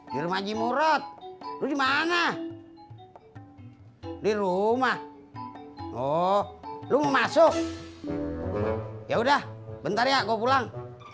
di rumah ji murot lu dimana di rumah oh lu masuk ya udah bentar ya gue pulang